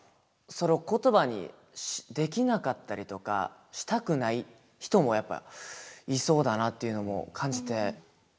それを言葉にできなかったりとかしたくない人もやっぱいそうだなっていうのも感じて。